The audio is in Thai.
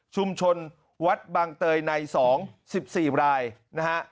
ชุมชนวัดบางเตยใน๒๑๔รายนะฮะ